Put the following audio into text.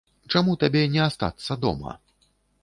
Чаму табе не астацца дома?